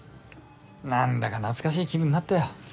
なんだか懐かしい気分になったよ。